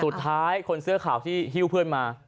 สุดท้ายคนเสื้อขาวที่ฮิวเพื่อนมา